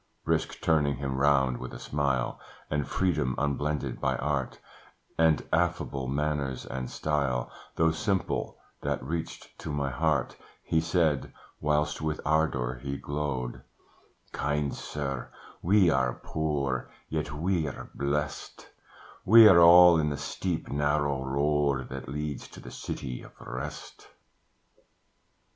Brisk turning him round with a smile, And freedom unblended by art, And affable manners and style, Though simple, that reached to my heart, He said (whilst with ardour he glowed), "Kind sir, we are poor, yet we're blest: We're all in the steep, narrow road That leads to the city of rest.